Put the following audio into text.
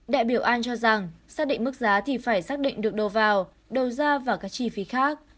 đại biểu an cho rằng xác định mức giá thì phải xác định được đầu vào đầu ra và các chi phí khác